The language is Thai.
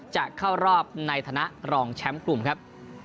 จะเข้ารอบในฐานะรองแชมป์กลุ่มครับ